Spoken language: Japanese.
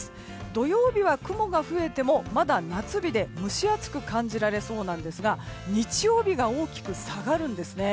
土曜日は雲が増えてもまだ夏日で蒸し暑く感じられそうなんですが日曜日が大きく下がるんですね。